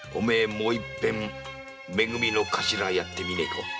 もう一ぺんめ組の頭やってみねえか？